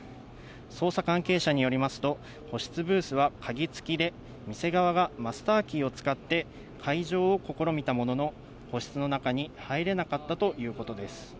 捜査関係者によりますと、個室ブースは鍵付きで、店側がマスターキーを使って開錠を試みたものの、個室の中に入れなかったということです。